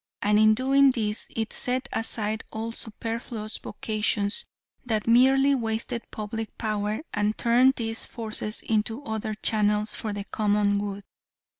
And in doing this it set aside all superfluous vocations that merely wasted public power and turned these forces into other channels for the common good.